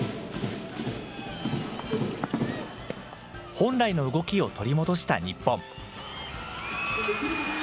本来の動きを取り戻した日本。